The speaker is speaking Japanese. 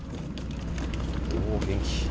おお、元気。